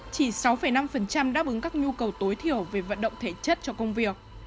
chỉ sáu năm đáp ứng các nhu cầu tối thiểu về vận động thể chất cho công việc